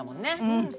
うん。